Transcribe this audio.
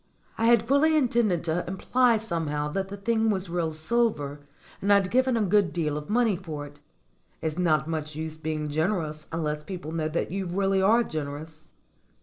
I had fully intended to imply somehow that the thing was real silver and I'd given a good deal of money for it. It's not much use being generous unless people know that you really are generous.